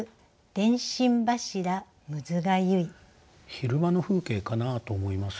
昼間の風景かなと思います。